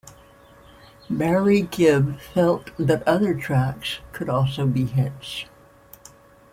Barry Gibb felt that other tracks could also be hits.